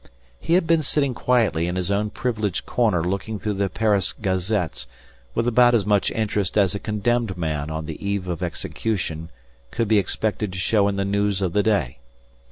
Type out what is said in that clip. He had been sitting quietly in his own privileged corner looking through the Paris gazettes with about as much interest as a condemned man on the eve of execution could be expected to show in the news of the day.